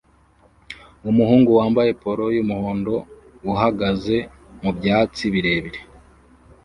Umuhungu wambaye polo yumuhondo uhagaze mubyatsi birebire